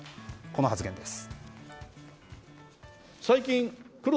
この発言です。